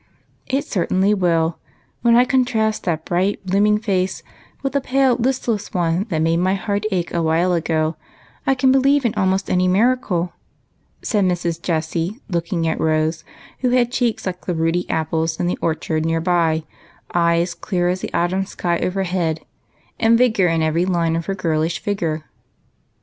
" It certainly will ; for when I contrast that bright, blooming face with the pale, listless one that made my heart ache a while ago, I can believe in almost any miracle," said Mrs. Jessie, as Rose looked round to point out a lovely view, with cheeks like the ruddy apples in the orchard near by, eyes clear as the autumn sky overhead, and vigor in every line of her girlish figure.